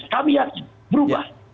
kami harus berubah